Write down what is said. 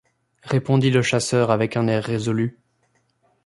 répondit le chasseur avec un air résolu.